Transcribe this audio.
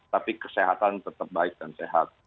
tapi kesehatan tetap baik dan sehat